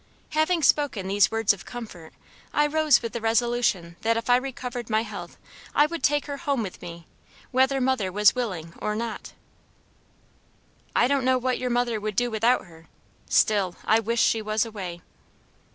Having spoken these words of comfort, I rose with the resolution that if I recovered my health I would take her home with me, whether mother was willing or not." "I don't know what your mother would do without her; still, I wish she was away."